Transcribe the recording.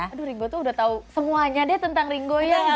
aduh ringo itu udah tahu semuanya deh tentang ringo ya